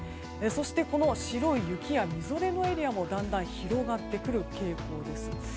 そして白い雪やみぞれのエリアもだんだん広がってくる傾向です。